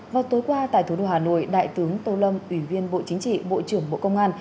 vào tối qua tại thủ đô hà nội đại tướng tô lâm ủy viên bộ chính trị bộ trưởng bộ công an